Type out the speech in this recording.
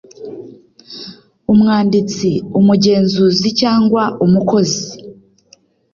umwanditsi umugenzuzi cyangwa umukozi